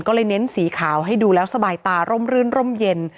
ก็เลยเน้นสีขาวให้ดูแล้วสบายตาร่มรื่นร่มเย็น